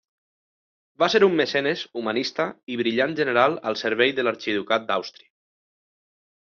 Va ser un mecenes, humanista i brillant general al servei de l'Arxiducat d'Àustria.